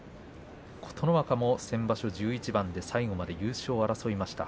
琴ノ若も先場所１１番で最後まで優勝を争いました。